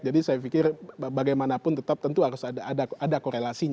jadi saya pikir bagaimanapun tetap tentu harus ada korelasi